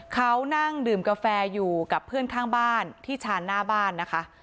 เขานั่งดื่มกาแฟอยู่กับเพื่อนข้างบ้านที่ชานหน้าบ้านนะคะ